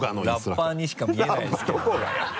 ラッパーにしか見えないですけどね。